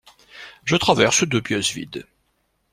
Je traverse deux pièces vides.